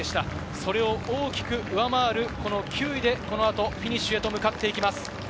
それを大きく上回る９位でこのあとフィニッシュへと向かっていきます。